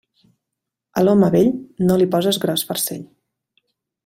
A l'home vell, no li poses gros farcell.